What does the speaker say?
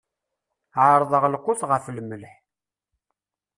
Ɛerḍeɣ lqut ɣef lmelḥ.